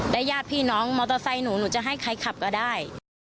ญาติพี่น้องมอเตอร์ไซค์หนูหนูจะให้ใครขับก็ได้